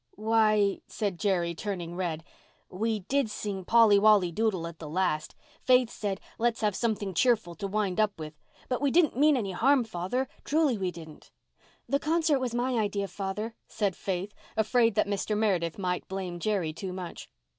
"Why," said Jerry, turning red, "we did sing Polly Wolly Doodle at the last. Faith said, 'Let's have something cheerful to wind up with.' But we didn't mean any harm, Father—truly we didn't." "The concert was my idea, Father," said Faith, afraid that Mr. Meredith might blame Jerry too much.